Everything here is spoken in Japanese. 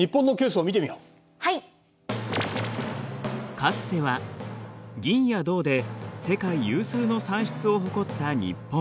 かつては銀や銅で世界有数の産出を誇った日本。